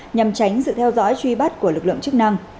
nhằm tránh sự theo dõi truy bắt của lực lượng chức năng